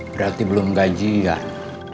berarti belum gajian